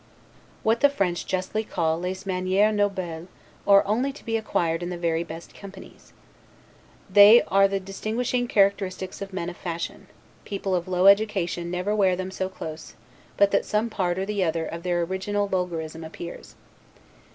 What the French justly call 'les manieres nobles' are only to be acquired in the very best companies. They are the distinguishing characteristics of men of fashion: people of low education never wear them so close, but that some part or other of the original vulgarism appears.